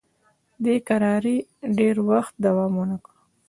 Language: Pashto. دې کراري ډېر وخت دوام ونه کړ.